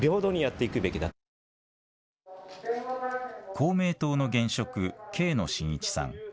公明党の現職、慶野信一さん。